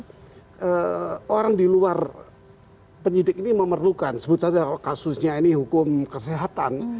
karena orang di luar penyidik ini memerlukan sebut saja kasusnya ini hukum kesehatan